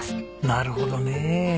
なるほどね。